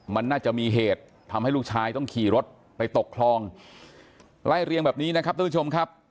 มันน่าจะมีเหตุทำให้ลูกชายต้องขี่รถไปตกคลองไล่เรียงแบบนี้นะครับท่านผู้ชมครับ